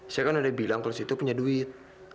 saya kan udah bilang kalau di situ punya duit